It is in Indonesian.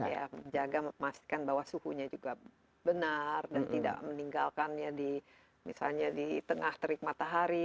ya jaga memastikan bahwa suhunya juga benar dan tidak meninggalkannya di misalnya di tengah terik matahari